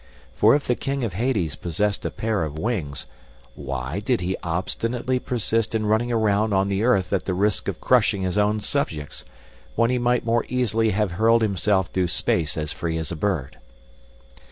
For if the King of Hades possessed a pair of wings, why did he obstinately persist in running around on the earth at the risk of crushing his own subjects, when he might more easily have hurled himself through space as free as a bird.